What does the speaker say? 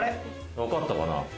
わかったかな？